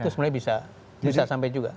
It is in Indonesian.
itu sebenarnya bisa sampai juga